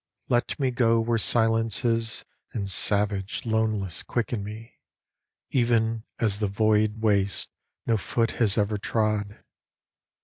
Let me go where silences And savage loneness quicken me, Even as the void waste No foot has ever trod.